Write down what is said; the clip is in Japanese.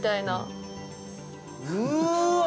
うわ！